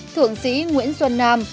thượng sĩ nguyễn xuân nam